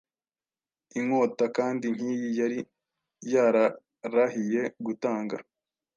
Inkota kandi nkiyi yari yararahiye gutanga